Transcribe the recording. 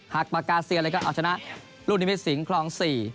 หักปากกาเสียแล้วก็เอาชนะรุ่นนิมิตส์สิงค์ครองสี่